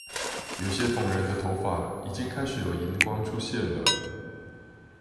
有些同仁的頭髮已經開始有銀光出現了